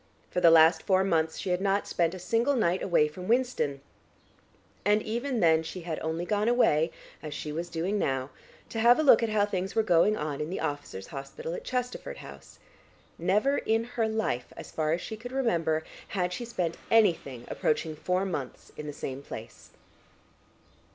For the last four months she had not spent a single night away from Winston, and even then she had only gone away, as she was doing now, to have a look at how things were going on in the officers' hospital at Chesterford House. Never in her life, as far as she could remember, had she spent anything approaching four months in the same place.